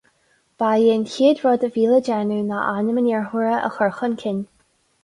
Ba é an chéad rud a bhí le déanamh ná ainm an iarrthóra a chur chun cinn.